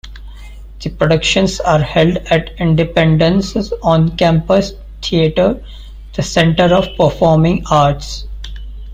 The productions are held at Independence's on-campus theatre, the Center of Performing Arts.